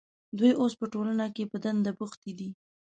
دوی اوس په ټولنه کې په دنده بوختې دي.